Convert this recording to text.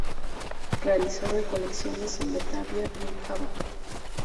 Realizó recolecciones en Batavia y en Java.